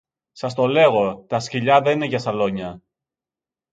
Σας το λέγω, τα σκυλιά δεν είναι για σαλόνια.